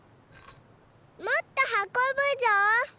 もっとはこぶぞ！